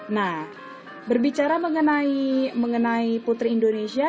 nah berbicara mengenai putri indonesia